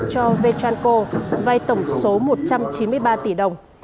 cho vetranco vai tổng số một trăm chín mươi ba tỷ đồng